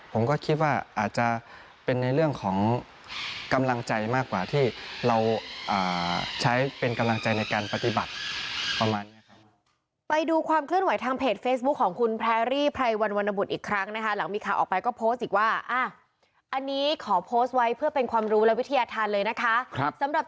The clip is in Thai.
ผมก็คิดว่าอาจจะเป็นในเรื่องของกำลังใจมากกว่าที่เราใช้เป็นกำลังใจในการปฏิบัติประมาณนี้ครับ